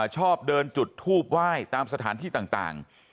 ชอบเดินจุดทูบไหว้ตามสถานที่ต่าง